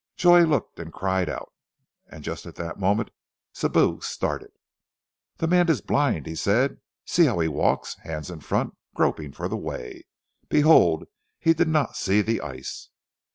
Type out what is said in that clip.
Joy looked and cried out, and just at that moment Sibou started. "The man is blind," he said. "See how he walks, hands in front groping for the way. Behold! He did not see the ice."